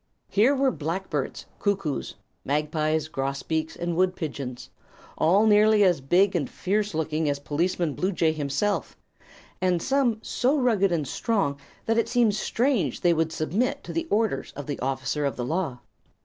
Here were blackbirds, cuckoos, magpies, grosbeaks and wood pigeons, all nearly as big and fierce looking as Policeman Bluejay himself, and some so rugged and strong that it seemed strange they would submit to the orders of the officer of the law.